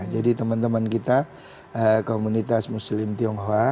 jadi teman teman kita komunitas muslim tionghoa